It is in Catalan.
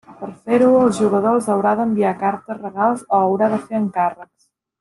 Per fer-ho el jugador els haurà d'enviar cartes, regals, o haurà de fer encàrrecs.